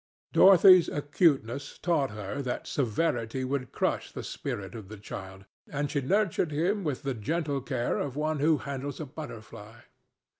Dorothy's acuteness taught her that severity would crush the spirit of the child, and she nurtured him with the gentle care of one who handles a butterfly.